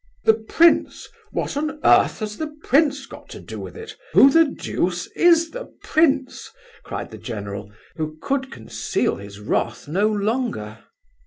"The prince! What on earth has the prince got to do with it? Who the deuce is the prince?" cried the general, who could conceal his wrath no longer.